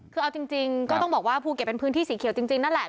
คือเอาจริงก็ต้องบอกว่าภูเก็ตเป็นพื้นที่สีเขียวจริงนั่นแหละ